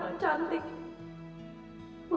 kalau apa travelling indonesia